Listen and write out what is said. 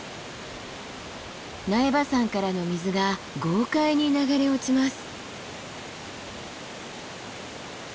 苗場山からの水が豪快に流れ落ちます。